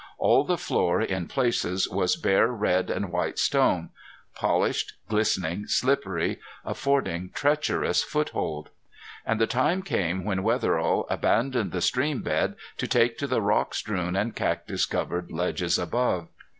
All the floor, in places, was bare red and white stone, polished, glistening, slippery, affording treacherous foothold. And the time came when Wetherill abandoned the stream bed to take to the rock strewn and cactus covered ledges above.